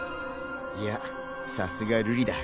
いやさすが瑠璃だ。